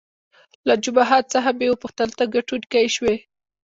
له جمعه خان څخه مې وپوښتل، ته ګټونکی شوې؟